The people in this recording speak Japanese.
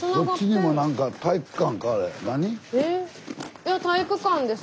いや体育館です。